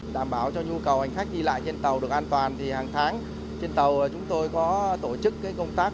đảm bảo cho nhu cầu hành khách đi lại trên tàu được an toàn thì hàng tháng trên tàu chúng tôi có tổ chức công tác